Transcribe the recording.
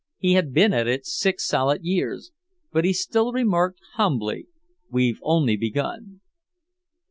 He had been at it six solid years, but he still remarked humbly, "We've only begun."